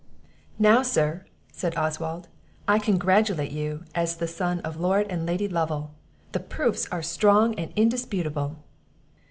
"Now, Sir," said Oswald, "I congratulate you as the son of Lord and Lady Lovel; the proofs are strong and indisputable."